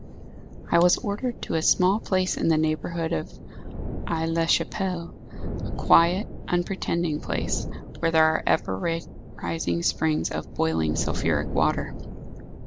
"I was ordered to a small place in the neighbourhood of Aix la Chapelle; a quiet, unpretending place, where there are ever rising springs of boiling, sulphuric water.